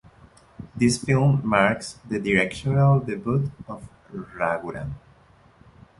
This film marks the directorial debut of Raghuram.